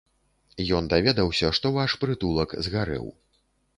Ён даведаўся, што ваш прытулак згарэў.